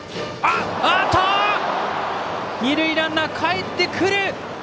二塁ランナーかえってくる！